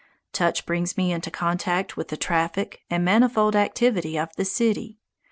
Touch brings me into contact with the traffic and manifold activity of the city.